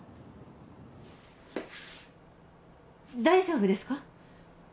大丈夫ですか？